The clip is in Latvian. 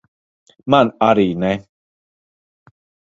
Man arī ne.